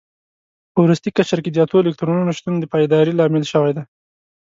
په وروستي قشر کې د اتو الکترونونو شتون د پایداري لامل شوی دی.